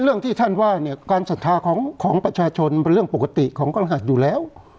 เรื่องที่ท่านว่าเนี่ยการศรัทธาของประชาชนเป็นเรื่องปกติของพระรหัสอยู่แล้ว